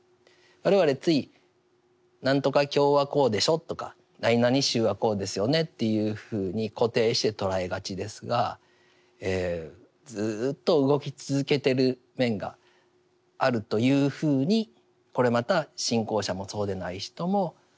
我々つい何とか教はこうでしょとかなになに宗はこうですよねっていうふうに固定して捉えがちですがずっと動き続けている面があるというふうにこれまた信仰者もそうでない人も見ていった方がいい。